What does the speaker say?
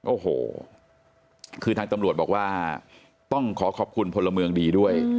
โอ้โหคือทางตำรวจบอกว่าต้องขอขอบคุณพลเมืองดีด้วย